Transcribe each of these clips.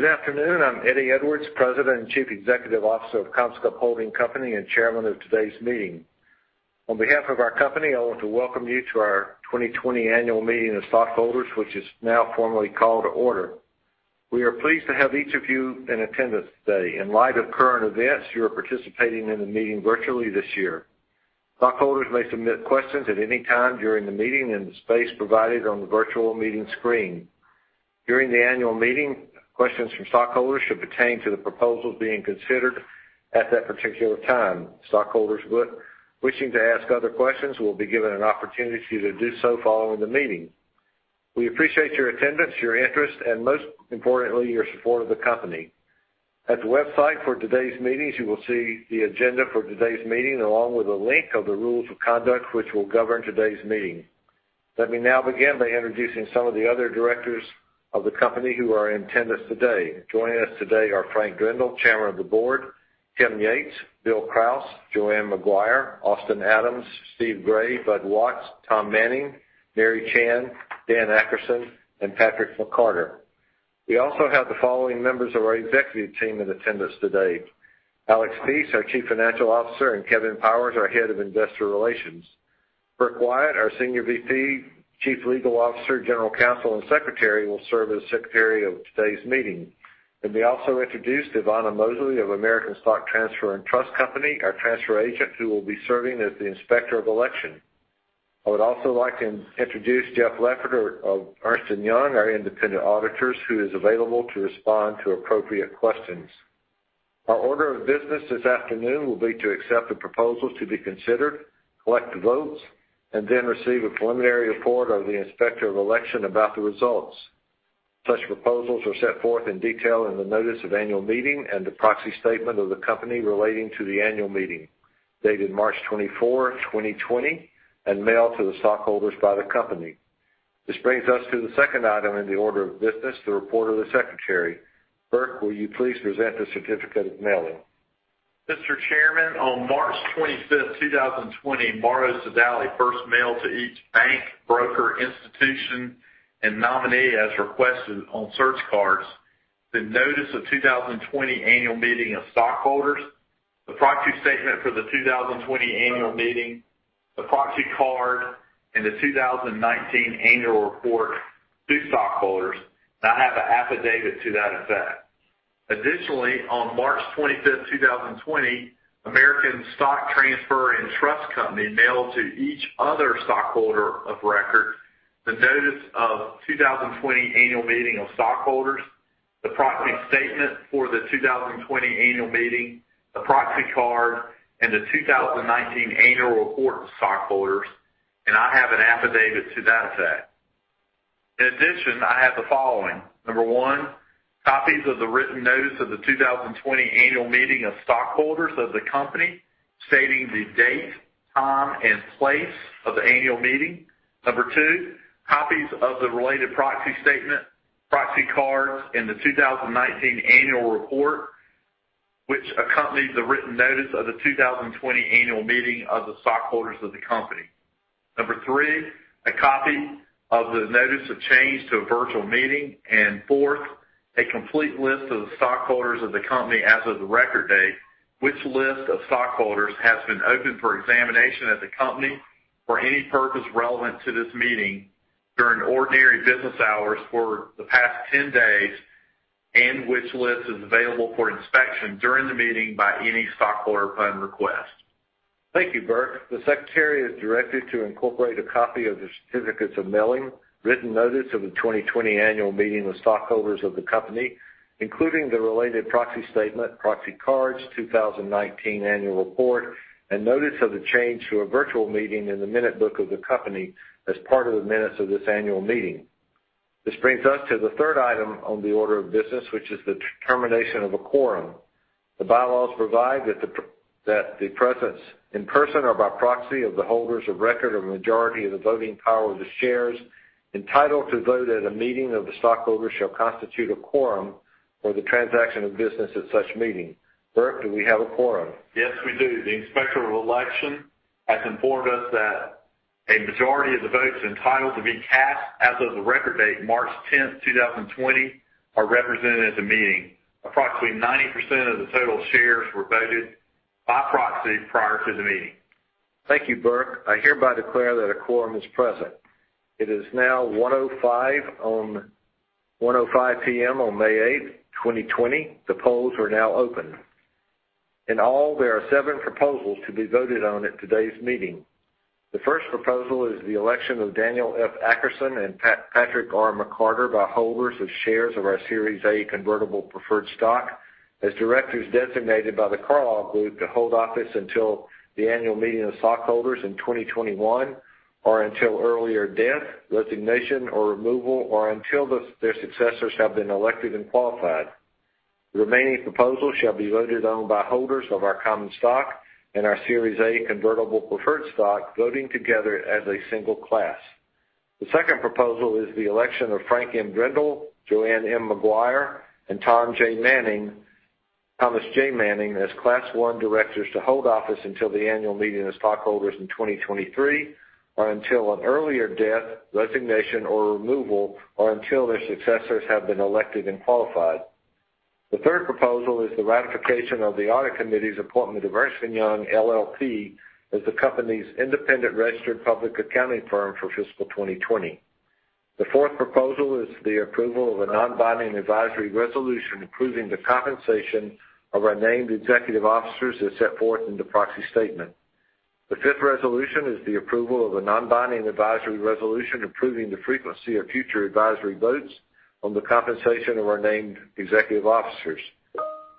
Good afternoon. I'm Eddie Edwards, President and Chief Executive Officer of CommScope Holding Company and Chairman of today's meeting. On behalf of our company, I want to welcome you to our 2020 annual meeting of stockholders, which is now formally called to order. We are pleased to have each of you in attendance today. In light of current events, you are participating in the meeting virtually this year. Stockholders may submit questions at any time during the meeting in the space provided on the virtual meeting screen. During the annual meeting, questions from stockholders should pertain to the proposals being considered at that particular time. Stockholders wishing to ask other questions will be given an opportunity to do so following the meeting. We appreciate your attendance, your interest, and most importantly, your support of the company. At the website for today's meetings, you will see the agenda for today's meeting, along with a link to the rules of conduct which will govern today's meeting. Let me now begin by introducing some of the other directors of the company who are in attendance today. Joining us today are Frank Drendel, Tim Yates, Bill Kraus, Joanne Maguire, Austin Adams, Steve Gray, Bud Watts, Tom Manning, Mary Chan, Dan Akerson, and Patrick McCarter. We also have the following members of our executive team in attendance today. Alex Pease, our Chief Financial Officer, and Kevin Powers, our Head of Investor Relations. Burk Wyatt, our Senior VP, Chief Legal Officer, General Counsel, and Secretary, will serve as Secretary of today's meeting. Let me also introduce Ivana Mosley of American Stock Transfer & Trust Company, our transfer agent, who will be serving as the Inspector of Election. I would also like to introduce Jeff Leffert of Ernst & Young, our independent auditors, who is available to respond to appropriate questions. Our order of business this afternoon will be to accept the proposals to be considered, collect the votes, and then receive a preliminary report of the Inspector of Election about the results. Such proposals are set forth in detail in the notice of annual meeting and the proxy statement of the company relating to the annual meeting, dated March 24, 2020, and mailed to the stockholders by the company. This brings us to the second item in the order of business, the report of the Secretary. Burk, will you please present the Certificate of Mailing? Mr. Chairman, on March 25, 2020, Morrow Sodali first mailed to each bank, broker, institution, and nominee as requested on search cards, the notice of 2020 annual meeting of stockholders, the proxy statement for the 2020 annual meeting, the proxy card, and the 2019 annual report to stockholders. I have an affidavit to that effect. Additionally, on March 25, 2020, American Stock Transfer & Trust Company mailed to each other stockholder of record the notice of 2020 annual meeting of stockholders, the proxy statement for the 2020 annual meeting, the proxy card, and the 2019 annual report to stockholders. I have an affidavit to that effect. In addition, I have the following. Number 1, copies of the written notice of the 2020 annual meeting of stockholders of the company, stating the date, time, and place of the annual meeting. Number 2, copies of the related proxy statement, proxy cards, and the 2019 annual report which accompanied the written notice of the 2020 annual meeting of the stockholders of the company. Number 3, a copy of the notice of change to a virtual meeting. Fourth, a complete list of the stockholders of the company as of the record date, which list of stockholders has been open for examination at the company for any purpose relevant to this meeting during ordinary business hours for the past 10 days, and which list is available for inspection during the meeting by any stockholder upon request. Thank you, Burk. The Secretary is directed to incorporate a copy of the Certificates of Mailing, written notice of the 2020 annual meeting of stockholders of the company, including the related proxy statement, proxy cards, 2019 annual report, and notice of the change to a virtual meeting in the minute book of the company as part of the minutes of this annual meeting. This brings us to the third item on the order of business, which is the determination of a quorum. The bylaws provide that the presence in person or by proxy of the holders of record of a majority of the voting power of the shares entitled to vote at a meeting of the stockholders shall constitute a quorum for the transaction of business at such meeting. Burk, do we have a quorum? Yes, we do. The Inspector of Election has informed us that a majority of the votes entitled to be cast as of the record date, March 10, 2020, are represented at the meeting. Approximately 90% of the total shares were voted by proxy prior to the meeting. Thank you, Burk. I hereby declare that a quorum is present. It is now 1:05 P.M. on May 8, 2020. The polls are now open. In all, there are seven proposals to be voted on at today's meeting. The first proposal is the election of Daniel F. Akerson and Patrick R. McCarter by holders of shares of our Series A convertible preferred stock as directors designated by The Carlyle Group to hold office until the annual meeting of stockholders in 2021 or until earlier death, resignation or removal, or until their successors have been elected and qualified. The remaining proposals shall be voted on by holders of our common stock and our Series A convertible preferred stock, voting together as a single class. The second proposal is the election of Frank M. Drendel, Joanne M. Maguire, and Tom J. Manning. Manning as Class I directors to hold office until the annual meeting of stockholders in 2023, or until an earlier death, resignation, or removal, or until their successors have been elected and qualified. The third proposal is the ratification of the audit committee's appointment of Ernst & Young LLP as the company's independent registered public accounting firm for fiscal 2020. The fourth proposal is the approval of a non-binding advisory resolution approving the compensation of our named executive officers as set forth in the proxy statement. The fifth resolution is the approval of a non-binding advisory resolution approving the frequency of future advisory votes on the compensation of our named executive officers.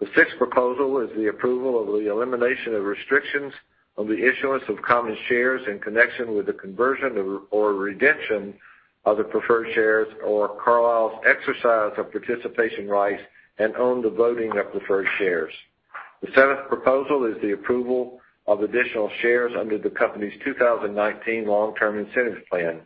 The sixth proposal is the approval of the elimination of restrictions on the issuance of common shares in connection with the conversion or redemption of the preferred shares or Carlyle's exercise of participation rights and own the voting of preferred shares. The seventh proposal is the approval of additional shares under the company's 2019 Long-Term Incentive Plan.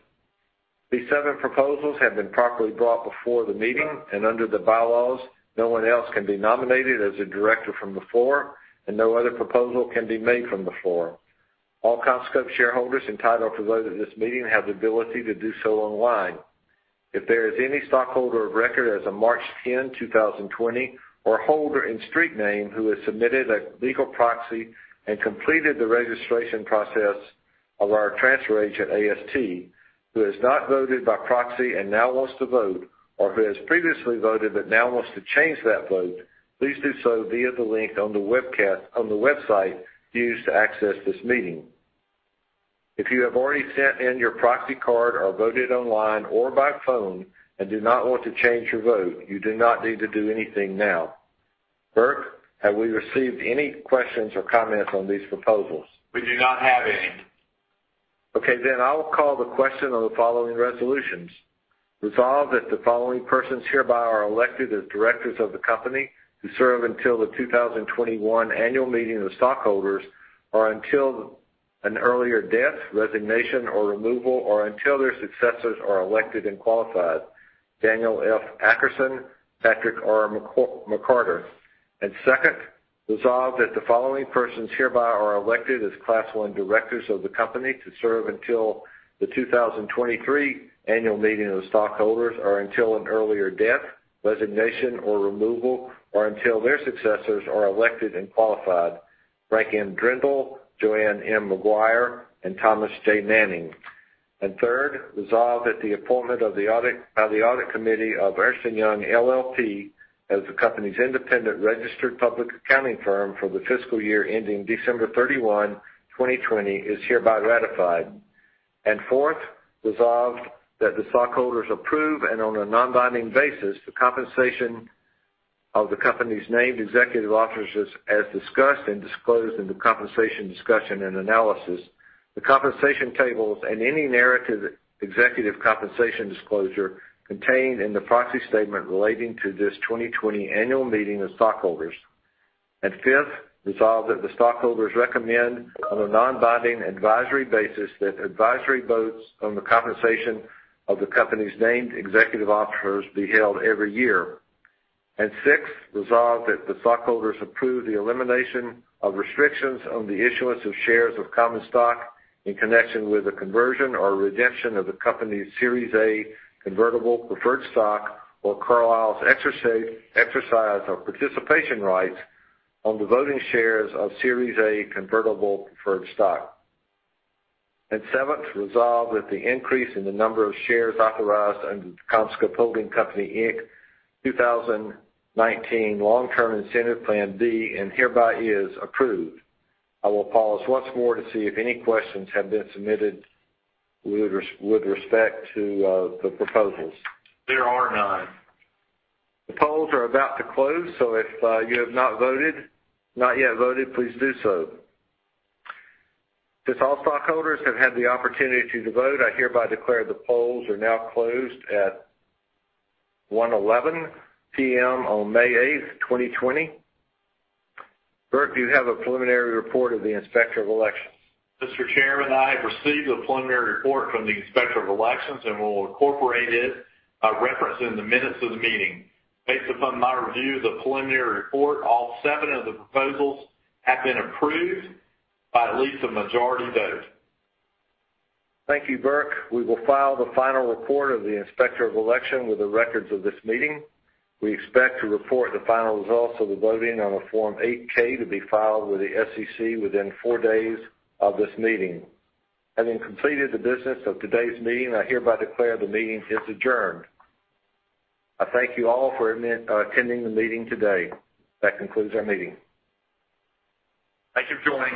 These seven proposals have been properly brought before the meeting. Under the bylaws, no one else can be nominated as a director from the floor, and no other proposal can be made from the floor. All CommScope shareholders entitled to vote at this meeting have the ability to do so online. If there is any stockholder of record as of March 10, 2020, or holder in street name who has submitted a legal proxy and completed the registration process of our transfer agent, AST, who has not voted by proxy and now wants to vote, or who has previously voted but now wants to change that vote, please do so via the link on the website used to access this meeting. If you have already sent in your proxy card or voted online or by phone and do not want to change your vote, you do not need to do anything now. Burk, have we received any questions or comments on these proposals? We do not have any. Okay, I will call the question on the following resolutions. Resolved that the following persons hereby are elected as directors of the company to serve until the 2021 annual meeting of stockholders or until an earlier death, resignation, or removal, or until their successors are elected and qualified. Daniel F. Akerson, Patrick R. McCarter. Second, resolved that the following persons hereby are elected as Class I directors of the company to serve until the 2023 annual meeting of the stockholders or until an earlier death, resignation, or removal, or until their successors are elected and qualified. Frank M. Drendel, Joanne M. Maguire, and Thomas J. Manning. Third, resolved that the appointment of the audit committee of Ernst & Young LLP as the company's independent registered public accounting firm for the fiscal year ending December 31, 2020, is hereby ratified. Fourth, resolved that the stockholders approve and on a non-binding basis, the compensation of the company's named executive officers as discussed and disclosed in the compensation discussion and analysis, the compensation tables, and any narrative executive compensation disclosure contained in the proxy statement relating to this 2020 annual meeting of stockholders. Fifth, resolved that the stockholders recommend on a non-binding advisory basis that advisory votes on the compensation of the company's named executive officers be held every year. Sixth, resolved that the stockholders approve the elimination of restrictions on the issuance of shares of common stock in connection with the conversion or redemption of the company's Series A convertible preferred stock or Carlyle's exercise of participation rights on the voting shares of Series A convertible preferred stock. Seventh, resolved with the increase in the number of shares authorized under the CommScope Holding Company, Inc. 2019 Long-Term Incentive Plan D and hereby is approved. I will pause once more to see if any questions have been submitted with respect to the proposals. There are none. The polls are about to close. If you have not yet voted, please do so. Since all stockholders have had the opportunity to vote, I hereby declare the polls are now closed at 1:11 P.M. on May 8, 2020. Burk, do you have a preliminary report of the Inspector of Election? Mr. Chairman, I have received the preliminary report from the Inspector of Election and will incorporate it by reference in the minutes of the meeting. Based upon my review of the preliminary report, all seven of the proposals have been approved by at least a majority vote. Thank you, Burk. We will file the final report of the Inspector of Election with the records of this meeting. We expect to report the final results of the voting on a Form 8-K to be filed with the SEC within four days of this meeting. Having completed the business of today's meeting, I hereby declare the meeting is adjourned. I thank you all for attending the meeting today. That concludes our meeting. Thank you for joining.